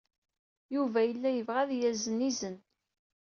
Yuba yella yebɣa ad yazen izen.